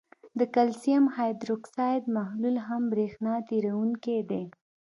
د کلسیم هایدروکساید محلول هم برېښنا تیروونکی دی.